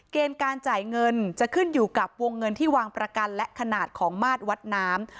เกณฑ์การจ่ายเงินจะขึ้นอยู่กับวงเงินที่วางประกันและขนาดของมาตรวัดน้ำ